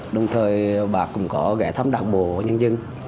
đồng thời bác cũng có ghé thăm đảng bộ nhân dân